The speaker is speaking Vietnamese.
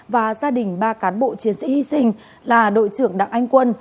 và gia đình ba cán bộ chiến sĩ hy sinh là đội trưởng đặng anh quân